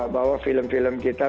bahwa film film kita